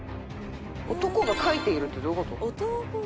「男がかいている」ってどういう事？